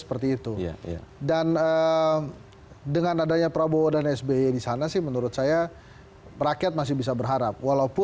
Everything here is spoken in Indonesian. seperti itu dan dengan adanya prabowo dan sby di sana sih menurut saya rakyat masih bisa berharap